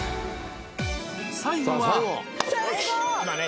最後は